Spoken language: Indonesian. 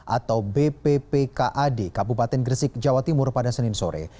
atau bppkad kabupaten gresik jawa timur pada senin sore